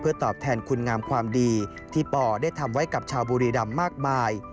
ตอบแทนคุณงามความดีที่ปได้ทำไว้กับชาวบุรีรำมากมาย